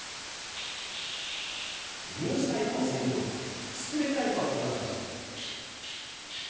ムースタイプの洗浄剤スプレータイプはこんな感じ。